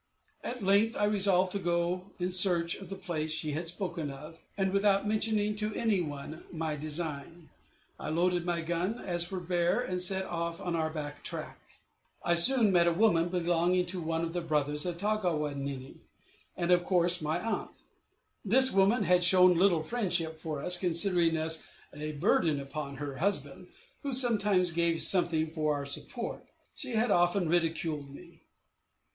At length I resolved to go in search of the place she had spoken of, and without mentioning to any one my design, I loaded my gun as for a bear, and set off on our back track. I soon met a woman belonging to one of the brothers of Taw ga we ninne, and of course my aunt. This woman had shown little friendship for us, considering us as a burden upon her husband, who sometimes gave something for our support; she had also often ridiculed me.